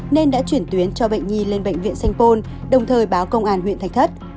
nên đã chuyển tuyến cho bệnh nhi lên bệnh viện sanh pôn đồng thời báo công an huyện thạch thất